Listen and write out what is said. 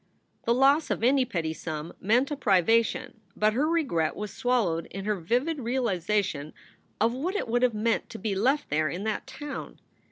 The loss of any petty sum meant a privation, but her regret was swallowed in her vivid realization of what it would have meant to be left there in that town.